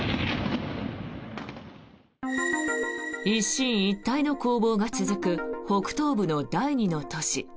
一進一退の攻防が続く北東部の第２の都市